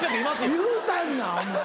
言うたんなお前。